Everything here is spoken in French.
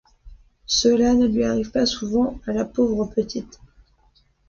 Cela ne lui arrive pas souvent à la pauvre petite.